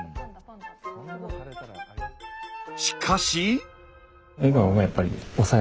しかし。